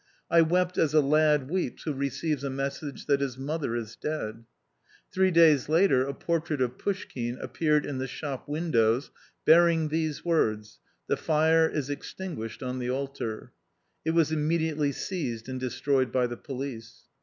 I wept as a lad weeps who receives a message that his mother is dead. ... Three days later a portrait of Fouschkine appeared in the shop windows, bearing these words, ' The fire is extinguished on the altar. 9 It was immediately seized and destroyed by the police."